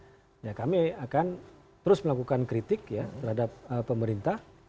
izin spi itu diperpanjang ya ya kami akan terus melakukan kritik ya terhadap pemerintah